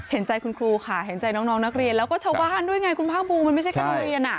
เห็นใจคุณครูค่ะเห็นใจน้องนักเรียนแล้วก็ชาวบ้านด้วยไงคุณภาคภูมิมันไม่ใช่แค่โรงเรียน